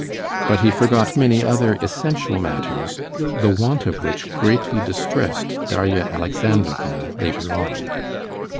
But he forgot many other essential matters, the want of which greatly distressed Darya Alexandrovna later on.